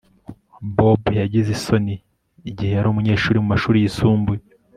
Bob yagize isoni igihe yari umunyeshuri mu mashuri yisumbuye